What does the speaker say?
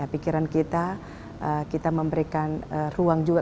pikiran kita kita memberikan ruang juga